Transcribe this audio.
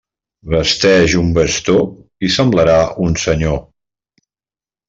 Vesteix un bastó i semblarà un senyor.